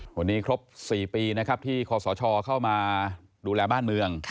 วันนี้ครบ๔ปีนะครับที่คอสชเข้ามาดูแลบ้านเมือง